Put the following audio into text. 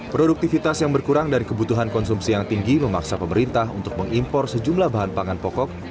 produktivitas yang berkurang dan kebutuhan konsumsi yang tinggi memaksa pemerintah untuk mengimpor sejumlah bahan pangan pokok